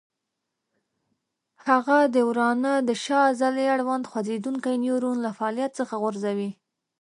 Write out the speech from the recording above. هغه د ورانه د شا عضلې اړوند خوځېدونکی نیورون له فعالیت څخه غورځوي.